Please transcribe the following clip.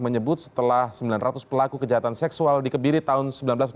menyebut setelah sembilan ratus pelaku kejahatan seksual dikebiri tahun seribu sembilan ratus sembilan puluh